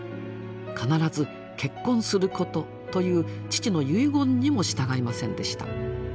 「必ず結婚すること」という父の遺言にも従いませんでした。